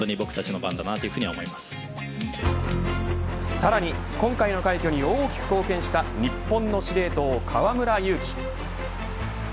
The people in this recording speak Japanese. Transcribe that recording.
さらに今回の快挙に大きく貢献した日本の司令塔、河村勇輝。